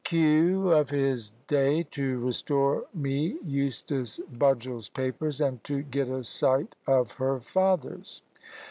Q. of his da. to restore me Eustace Budgell's papers, and to get a sight of her father's.